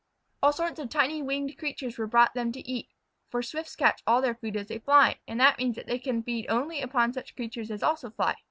All sorts of tiny winged creatures were brought them to eat, for Swifts catch all their food as they fly, and that means that they can feed upon only such creatures as also fly.